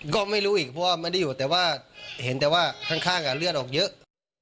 ก็ไม่รู้อีกเพราะว่าไม่ได้อยู่แต่ว่าเห็นแต่ว่าข้างเลือดออกเยอะ